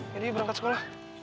yaudah ya berangkat sekolah